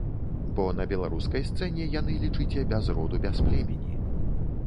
Бо на беларускай сцэне яны, лічыце, без роду без племені.